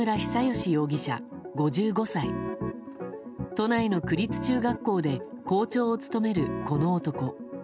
都内の区立中学校で校長を務めるこの男。